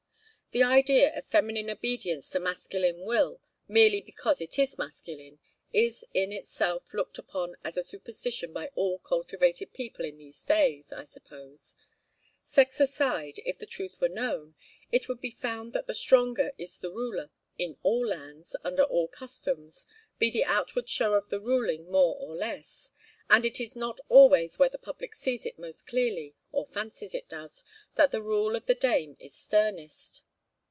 The idea of feminine obedience to masculine will, merely because it is masculine, is in itself looked upon as a superstition by all cultivated people in these days, I suppose. Sex aside, if the truth were known, it would be found that the stronger is the ruler, in all lands, under all customs, be the outward show of the ruling more or less; and it is not always where the public sees it most clearly, or fancies it does, that the rule of the dame is sternest.